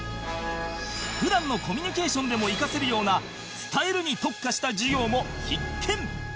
普段のコミュニケーションでも生かせるような「伝える」に特化した授業も必見！